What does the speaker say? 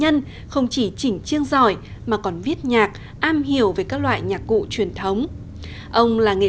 đăng ký kênh để nhận thêm nhiều video mới